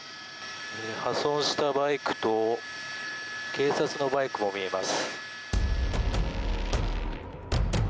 破損したバイクと警察のバイクも見えます。